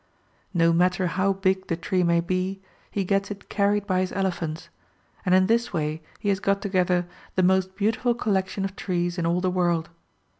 No matter how big the tree may be, he gets it carried by his elephants ; and in this way he has got together the most beautiful collection of trees in all the world.